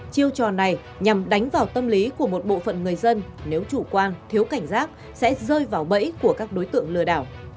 chiêu trò này nhằm đánh vào tâm lý của một bộ phận người dân nếu chủ quan thiếu cảnh giác sẽ rơi vào bẫy của các đối tượng lừa đảo